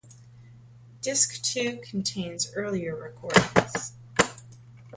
Disc two contains earlier recordings.